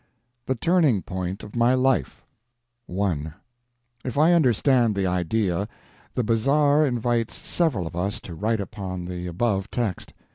THE TURNING POINT OF MY LIFE I If I understand the idea, the _Bazar _invites several of us to write upon the above text.